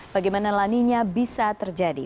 bagaimana laninya bisa terjadi